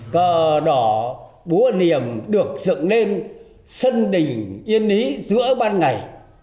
cờ đỏ búa niềm được dựng lên sân đỉnh yên ý giữa ban ngày